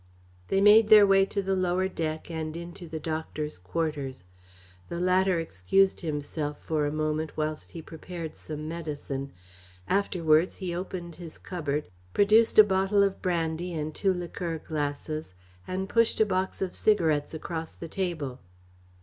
They made their way to the lower deck and into the doctor's quarters. The latter excused himself for a moment whilst he prepared some medicine. Afterwards he opened his cupboard, produced a bottle of brandy and two liqueur glasses and pushed a box of cigarettes across the table.